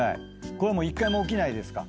これは１回も起きないですか？